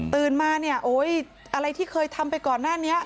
ตื่นมาอะไรที่เคยทำไปก่อนหน้านี้